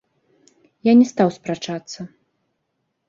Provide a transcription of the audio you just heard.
Я не стаў спрачацца.